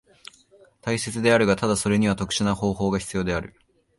大切であるが、ただそれには特殊な方法が必要である。